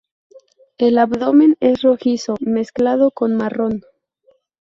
El abdomen es rojizo mezclado con marrón.